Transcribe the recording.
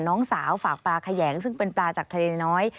น้องสาวฝากปลาแขยงซึ่งเป็นปลาจากทะเลน้อย